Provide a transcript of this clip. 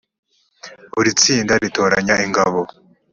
buri tsinda ritoranya ingabo